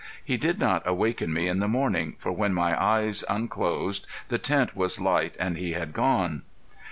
He did not awaken me in the morning, for when my eyes unclosed the tent was light and he had gone.